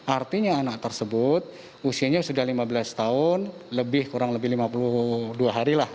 artinya anak tersebut usianya sudah lima belas tahun lebih kurang lebih lima puluh dua hari lah